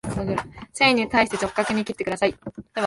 繊維に対して直角に切ってください